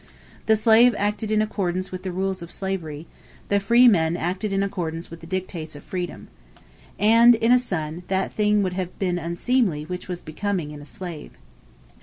The slave acted in accordance with the rules of slavery, the free man acted in accordance with the dictates of freedom. And in a son that thing would have been unseemly which was becoming in a slave.